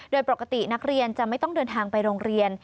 โดยปกตินักเรียนจะไม่ต้องเดินทางไปโรงเรียน